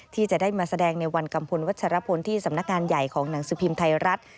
ที่จะได้มาแสดงในวันกัมพลวัชรพลที่สำนักงานใหญ่ของหนังสือพิมพ์ไทยรัฐ